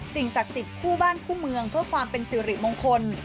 ศักดิ์สิทธิ์คู่บ้านคู่เมืองเพื่อความเป็นสิริมงคล